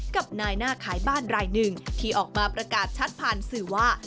กับนายหน้าขายบ้านรายหนึ่งที่ออกมาประกาศชัดผ่านสื่อว่า